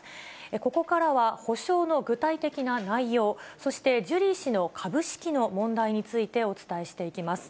ここからは、補償の具体的な内容、そして、ジュリー氏の株式の問題についてお伝えしていきます。